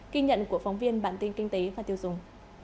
kinh nhận của phóng viên bản tin kinh tế và tiêu dùng